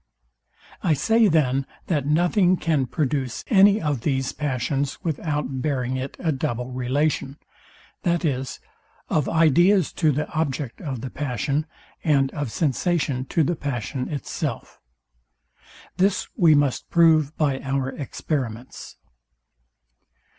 I say then, that nothing can produce any of these passions without bearing it a double relation, viz, of ideas to the object of the passion, and of sensation to the passion itself. This we must prove by our experiments.